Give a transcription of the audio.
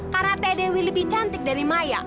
karena teh dewi lebih cantik dari maya